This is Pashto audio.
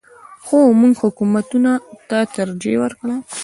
خو موږ حکومتونو ته ترجیح ورکړه.